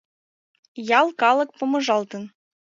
Ял калык помыжалтын.